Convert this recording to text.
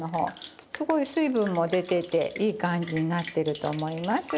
すごい水分も出てていい感じになってると思います。